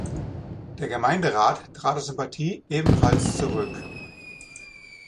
Der Gemeinderat trat aus Sympathie ebenfalls zurück.